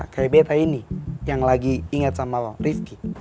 kayak betta ini yang lagi inget sama rifqi